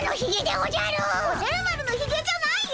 おじゃる丸のひげじゃないよ！